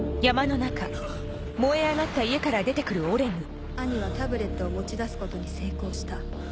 あぁ兄はタブレットを持ち出すことに成功した。